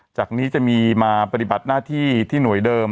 จากนี้จะมีมาปฏิบัติหน้าที่ที่หน่วยเดิม